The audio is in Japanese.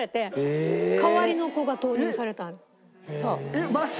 えっマジ？